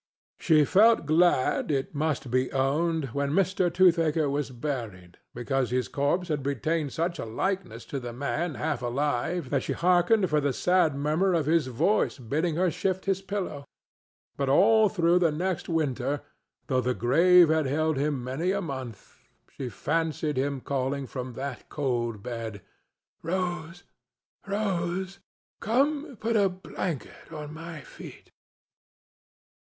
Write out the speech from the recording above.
She felt glad, it must be owned, when Mr. Toothaker was buried, because his corpse had retained such a likeness to the man half alive that she hearkened for the sad murmur of his voice bidding her shift his pillow. But all through the next winter, though the grave had held him many a month, she fancied him calling from that cold bed, "Rose, Rose! Come put a blanket on my feet!"